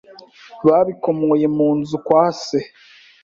babikomoye mu nzu kwa Se